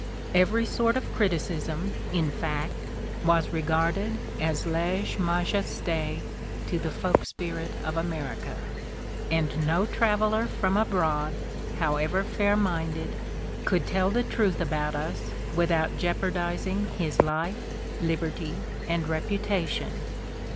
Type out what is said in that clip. Every sort of criticism, in fact, was regarded as lese majeste to the folk spirit of America, and no traveler from abroad, however fair minded, could tell the truth about us without jeopardiz ing his life, liberty and reputation.